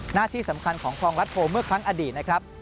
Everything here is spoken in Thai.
หน้าที่สำคัญของคลองรัฐโพเมื่อครั้งอดีตนะครับ